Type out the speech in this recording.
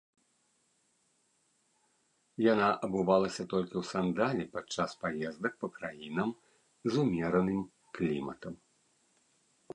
Яна абувалася толькі ў сандалі падчас паездак па краінам з умераным кліматам.